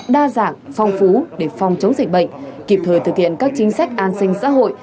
đa dạng phong phú để phòng chống dịch bệnh kịp thời thực hiện các chính sách an sinh xã hội